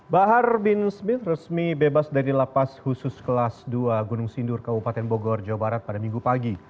bahar bin smith resmi bebas dari lapas khusus kelas dua gunung sindur kabupaten bogor jawa barat pada minggu pagi